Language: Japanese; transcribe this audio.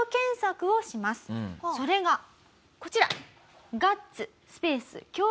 それがこちら。